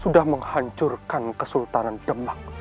sudah menghancurkan kesultanan demak